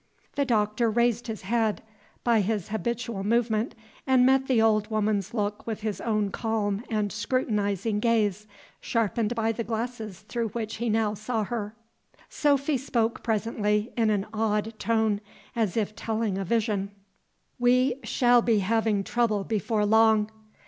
The Doctor raised his head, by his habitual movement, and met the old woman's look with his own calm and scrutinizing gaze, sharpened by the glasses through which he now saw her. Sophy spoke presently in an awed tone, as if telling a vision. "We shall be havin' trouble before long.